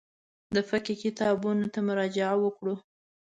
د فقهي کتابونو ته مراجعه وکړو.